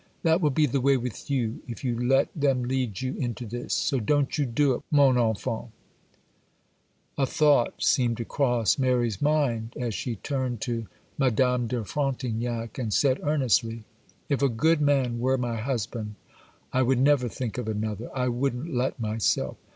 That will be the way with you, if you let them lead you into this; so don't you do it, mon enfant.' A thought seemed to cross Mary's mind, as she turned to Madame de Frontignac, and said, earnestly,— 'If a good man were my husband, I would never think of another,—I wouldn't let myself.